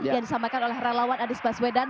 yang disampaikan oleh relawan anies baswedan